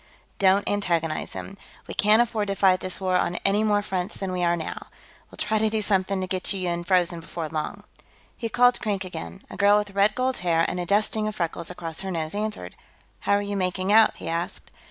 Don't antagonize him; we can't afford to fight this war on any more fronts than we are now. We'll try to do something to get you unfrozen, before long." He called Krink again. A girl with red gold hair and a dusting of freckles across her nose answered. "How are you making out?" he asked.